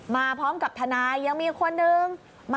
มาพร้อมกับธนายยังมีคนหนึ่ง